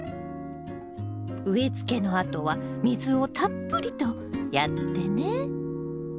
植えつけのあとは水をたっぷりとやってね。